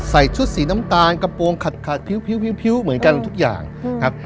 ใส่ชุดสีน้ำตาลกระโปรงขัดพิ้วเหมือนกันทุกอย่างครับ